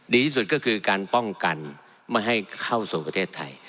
ดีที่สุดก็คือการป้องกันไม่ให้เข้าสู่ประเทศไทย